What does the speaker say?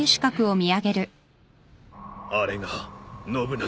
あれが信長。